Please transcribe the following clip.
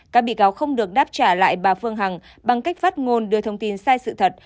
các bị cáo không được đáp trả lại bà phương hằng bằng cách phát ngôn đưa thông tin sai sự thật